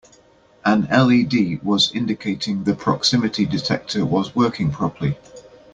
An LED was indicating the proximity detector was working properly.